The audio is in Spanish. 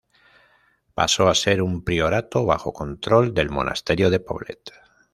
Pasó a ser un priorato, bajo control del monasterio de Poblet.